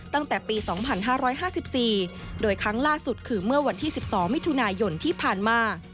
ตั้งแต่ปี๒๕๕๔โดยครั้งล่าสุดคือเมื่อวันที่๑๒มิถุนายนที่ผ่านมา